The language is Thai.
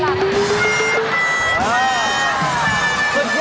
ยากหายลูกเหรอยากสลัดโอเค